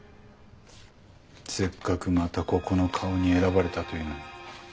せっかくまたここの顔に選ばれたというのに。